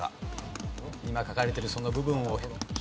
今書かれてるその部分をヒントに。